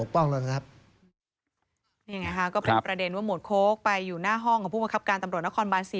เป็นประเด็นมวลโค้กไปอยู่หน้าห้องของพุคปรับการตำรวจนครบาศี